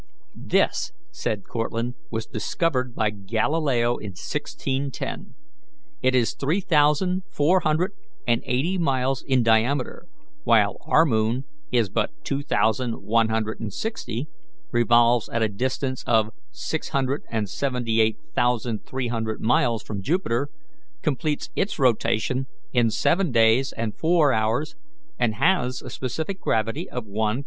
"This," said Cortlandt, "was discovered by Galileo in 1610. It is three thousand four hundred and eighty miles in diameter, while our moon is but two thousand one hundred and sixty, revolves at a distance of six hundred and seventy eight thousand three hundred miles from Jupiter, completes its revolution in seven days and four hours, and has a specific gravity of 1.87."